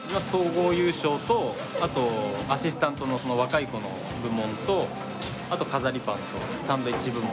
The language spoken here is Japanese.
あとアシスタントの若い子の部門とあと飾りパンとサンドウィッチ部門。